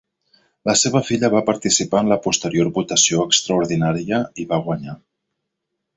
La seva filla va participar en la posterior votació extraordinària i va guanyar.